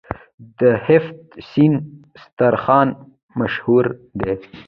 د هفت سین دسترخان مشهور دی.